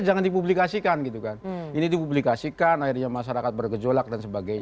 jangan dipublikasikan gitu kan ini dipublikasikan akhirnya masyarakat bergejolak dan sebagainya